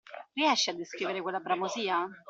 Riesci a descrivere quella bramosia?